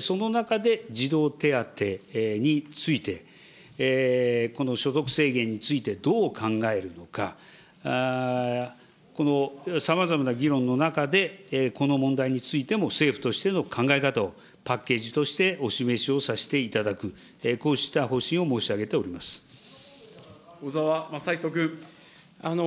その中で、児童手当について、この所得制限についてどう考えるのか、このさまざまな議論の中で、この問題についても政府としての考え方を、パッケージとしてお示しをさせていただく、こうした方針を申し上小沢雅仁君。